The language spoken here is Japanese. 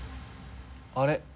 あれ？